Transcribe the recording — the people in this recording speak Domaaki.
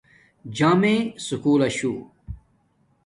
جامیے سکُول لشو